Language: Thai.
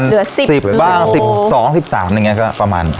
เดี๋ยวประมาณ๑๐โล๑๒๑๓หนึ่งเนี่ยก็ประมาณ